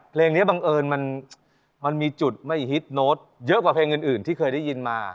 เพลงนี้บังเอิญมันมีจุดไม่ฮิตโน้ตเยอะกว่าเพลงอื่นที่เคยได้ยินมา